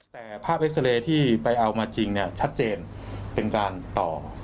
แต่ภาพเอ็กซาเรย์ที่ไปเอามาจริงเนี่ยชัดเจนเป็นการต่อ